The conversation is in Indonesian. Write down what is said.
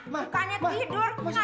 mah mah mah